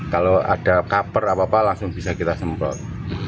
kalau ada kaper apa apa langsung bisa kita semprot